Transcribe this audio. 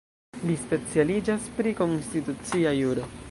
Li specialiĝas pri konstitucia juro.